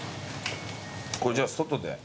これじゃあ外で。